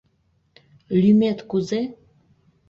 Лӱмет кузе?